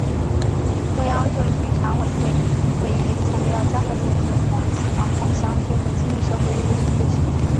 中央政治局常委会会议强调要加快建立同疫情防控相适应的经济社会运行秩序